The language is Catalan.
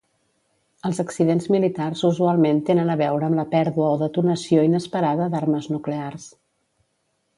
Els accidents militars usualment tenen a veure amb la pèrdua o detonació inesperada d'armes nuclears.